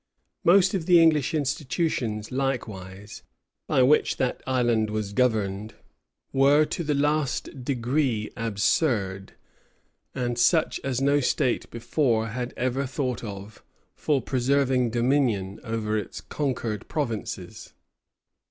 [*]* Sir J. Davies, p. 5, 6, 7, etc. Most of the English institutions, likewise, by which that island was governed, were to the last degree absurd, and such as no state before had ever thought of, for preserving dominion over its conquered provinces.